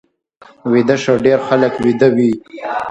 ویده شپه ډېر خلک ویده وي